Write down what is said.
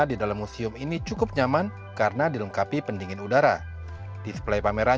di dalam museum ini cukup nyaman karena dilengkapi pendingin udara display pameran